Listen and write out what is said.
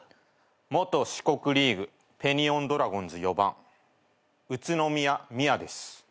元四国リーグペニオンドラゴンズ４番ウツノミヤミヤです。